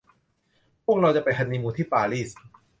พวกเราจะไปฮันนีมูนที่ปารีส